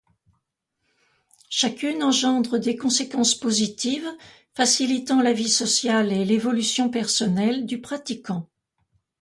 Chacune engendre des conséquences positives facilitant la vie sociale et l'évolution personnelle du pratiquant.